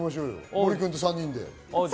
森君と３人で。